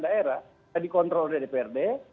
daerah yang dikontrol dari prd